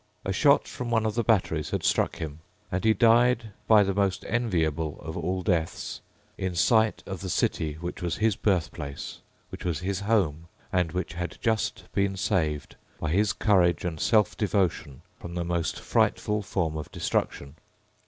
A shot from one of the batteries had struck him; and he died by the most enviable of all deaths, in sight of the city which was his birthplace, which was his home, and which had just been saved by his courage and self devotion from the most frightful form of destruction.